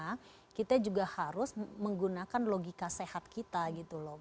karena kita juga harus menggunakan logika sehat kita gitu loh